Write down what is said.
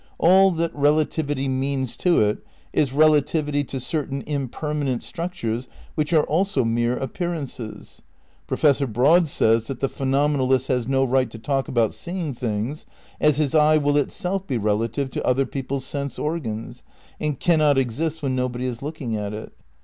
All that relativity means to it is relativity to certain impermanent structures which are also mere appearances. Professor Broad says that the phenomenalist has no right to talk about seeing things, as his eye will itself be relative to other people's sense organs and cannot exist when nobody is looking at it.